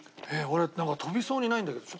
俺なんか飛びそうにないんだけど。